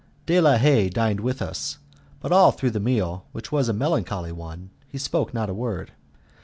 De la Haye dined with us, but all through the meal, which was a melancholy one, he spoke not a word.